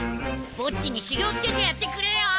ボッジに修行つけてやってくれよ！